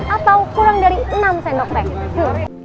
atau kurang dari enam sendok teh